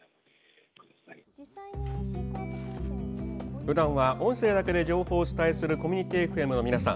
ふだんは音声だけで情報をお伝えするコミュニティＦＭの皆さん。